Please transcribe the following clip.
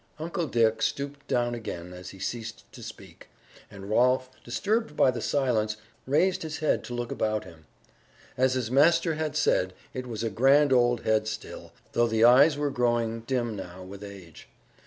Uncle Dick stooped down again as he ceased to speak, and Rolf, disturbed by the silence, raised his head to look about him. As his master had said, it was a grand old head still, though the eyes were growing dim now with age.